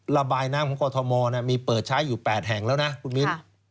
ระบายน้ำของกรทมมีเปิดใช้อยู่๘แห่งแล้วนะคุณมิ้น